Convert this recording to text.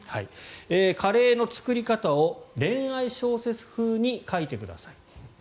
カレーの作り方を恋愛小説風に書いてください。